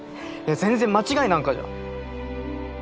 全然間違いなんかじゃ。